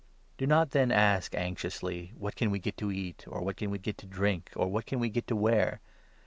Do not then ask 31 anxiously ' What can we get to eat ?' or ' What can we get to drink ?' or ' What can we get to wear